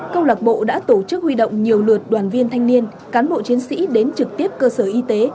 câu lạc bộ đã tổ chức huy động nhiều lượt đoàn viên thanh niên cán bộ chiến sĩ đến trực tiếp cơ sở y tế